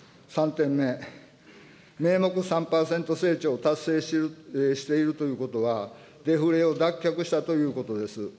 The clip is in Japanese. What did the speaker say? ３点目、名目３％成長を達成しているということは、デフレを脱却したということです。